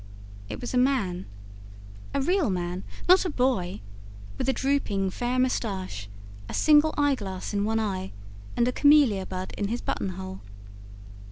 It was a man, a real man not a boy with a drooping, fair moustache, a single eyeglass in one eye, and a camellia bud in his buttonhole.